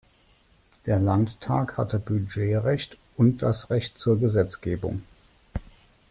Der Landtag hatte Budgetrecht und das Recht zur Gesetzgebung.